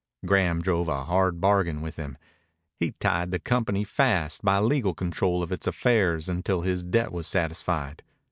Graham drove a hard bargain with him. He tied the company fast by legal control of its affairs until his debt was satisfied.